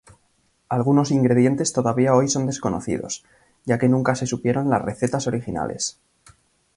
Algunos ingredientes todavía hoy son desconocidos, ya que nunca se supieron las recetas originales.